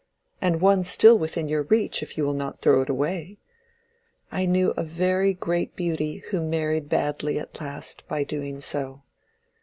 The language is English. —and one still within your reach, if you will not throw it away. I knew a very great beauty who married badly at last, by doing so.